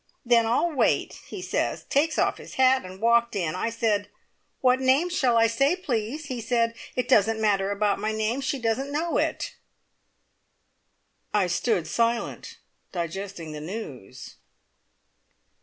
`Then I'll wait!' he says, takes off his hat, and walked in. I said, `What name shall I say, please?' He said, `It doesn't matter about my name. She doesn't know it.'" I stood silent, digesting the news.